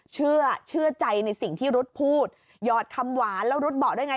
เชื่อเชื่อใจในสิ่งที่รุ๊ดพูดหยอดคำหวานแล้วรุ๊ดบอกได้ไง